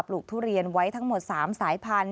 ลูกทุเรียนไว้ทั้งหมด๓สายพันธุ